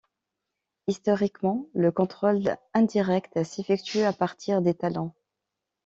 Historiquement, le contrôle indirect s'effectue à partir d'étalons.